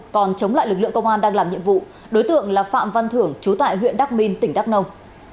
còn chống lại lực lượng công an đang làm nhiệm vụ đối tượng là phạm văn thưởng chú tại huyện đắk minh tỉnh đắk nông